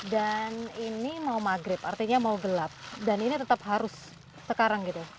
dan ini mau maghrib artinya mau gelap dan ini tetap harus sekarang gitu ya